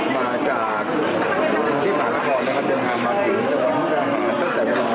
มาจากที่มหาละครนะครับเดินทางมาถึงจังหวังที่มหาละคร